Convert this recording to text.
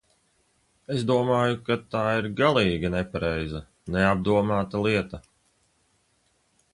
Es domāju, ka tā ir galīgi nepareiza, neapdomāta lieta.